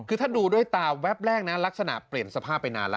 คือถ้าดูด้วยตาแวบแรกนะลักษณะเปลี่ยนสภาพไปนานแล้ว